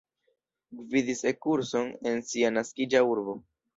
Gvidis E-kurson en sia naskiĝa urbo.